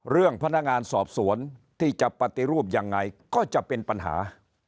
เรื่องพนักงานสอบสวนที่จะปฏิรูปยังไงก็จะเป็นปัญหา